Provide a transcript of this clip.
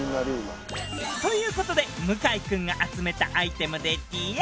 という事で向井君が集めたアイテムでＤＩＹ。